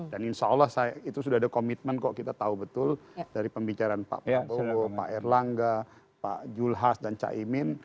dan insya allah itu sudah ada komitmen kok kita tahu betul dari pembicaraan pak pado pak erlangga pak julhas dan cak imin